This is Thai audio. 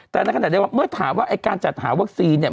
แต่ในขณะเดียวกันเมื่อถามว่าไอ้การจัดหาวัคซีนเนี่ย